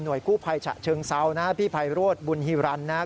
หน่วยคู่ภัยฉะเชิงเซานะฮะพี่ภัยโรศบุญฮิรันทร์นะฮะ